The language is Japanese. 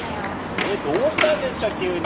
えどうしたんですか急に。